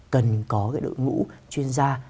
cần có đội ngũ chuyên gia